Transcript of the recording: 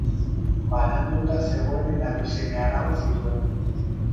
Bananduta zegoen eta bi seme-alaba zituen.